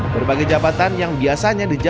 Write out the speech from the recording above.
berbagai jabatan yang biasanya dijalankan